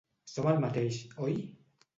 Som el mateix, oi?